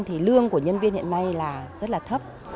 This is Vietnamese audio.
thì lương của nhân viên hiện nay là rất là thấp